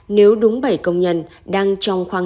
nếu đúng bảy công nhân đang trong khoang